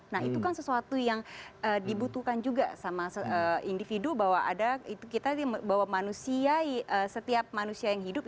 nah itu kan sesuatu yang dibutuhkan juga sama individu bahwa ada kita bahwa manusia setiap manusia yang hidup